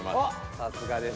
さすがです。